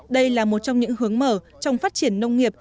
đây là một trong những hướng mở trong phát triển nông nghiệp